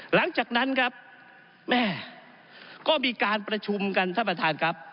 หลังจากนั้นครับแม่ก็มีการประชุมกันท่านประธานครับ